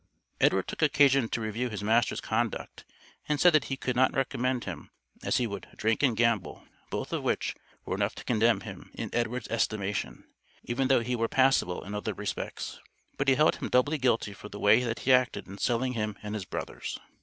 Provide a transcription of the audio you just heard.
Edward took occasion to review his master's conduct, and said that he "could not recommend him," as he would "drink and gamble," both of which, were enough to condemn him, in Edward's estimation, even though he were passable in other respects. But he held him doubly guilty for the way that he acted in selling him and his brothers.